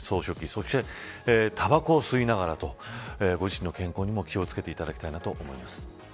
そして、たばこを吸いながらとご自身の健康にも気を付けていただきたいと思います。